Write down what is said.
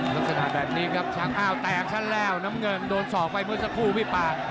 ลักษณะแบบนี้ครับช้างอ้าวแตกฉันแล้วน้ำเงินโดนสอกไปเมื่อสักครู่พี่ปาก